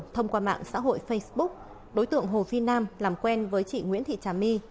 thông qua mạng xã hội facebook đối tượng hồ phi nam làm quen với chị nguyễn thị trà my